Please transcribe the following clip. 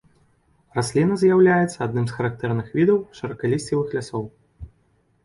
Расліна з'яўляецца адным з характэрных відаў шырокалісцевых лясоў.